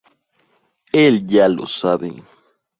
Él ya lo sabe".